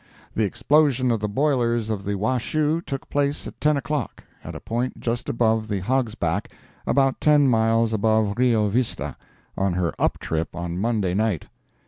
The explosion of the boilers of the Washoe took place at ten o'clock, at a point just above the Hog's Back, about ten miles above Rio Vista, on her up trip on Monday night.